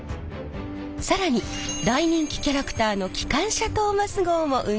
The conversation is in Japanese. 更に大人気キャラクターのきかんしゃトーマス号も運行中。